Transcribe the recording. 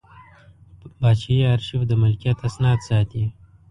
پاچاهي ارشیف د ملکیت اسناد ساتي.